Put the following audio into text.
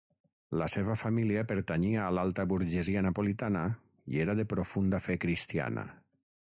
La seva família pertanyia a l'alta burgesia napolitana i era de profunda fe cristiana.